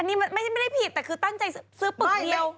อันนี้มันไม่ไม่ได้ผิดแต่คือตั้งใจซื้อปรุกเดียว